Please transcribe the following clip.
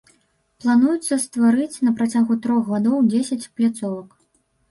Плануецца стварыць на працягу трох гадоў дзесяць пляцовак.